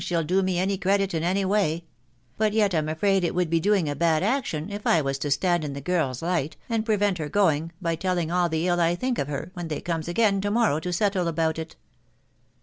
she'll do me any credit in any way ;•... but yet I'm afraid it would be doing a bad action if I was to stand in the girl's light, and prevent her going, by telling all the ill I think of her, when they comes again to morrow to settle about it."